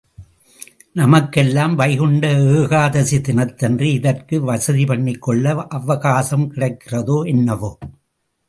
நமக்கெல்லாம் வைகுண்ட ஏகாதசி தினத்தன்று இதற்கு வசதி பண்ணிக் கொள்ள அவகாசம் கிடைக்கிறதோ என்னவோ?